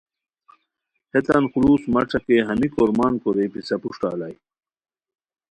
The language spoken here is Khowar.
ہیتان خلوص مہ ݯاکئے ہمی کورمان کورئیے پِسہ پروشٹہ الائے